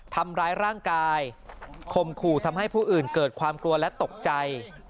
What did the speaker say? ทำร้ายร่างกายคมขู่ทำให้ผู้อื่นเกิดความกลัวและตกใจ